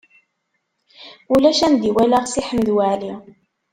Ulac anda i walaɣ Si Ḥmed Waɛli.